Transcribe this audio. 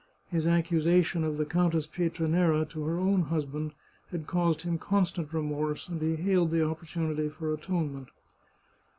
His accusation of the Countess Pietranera to her own husband had caused him constant re morse, and he hailed the opportunity for atonement.